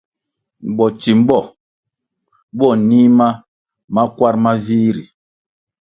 Botsimbo bo nih ma makwar ma vih ri.